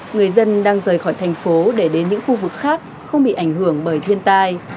người dân đang rời khỏi thành phố để đến những khu vực khác không bị ảnh hưởng bởi thiên tai